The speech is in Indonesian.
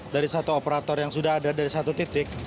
dari satu operator yang sudah ada dari satu titik